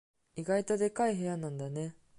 意外とでかい部屋なんだね。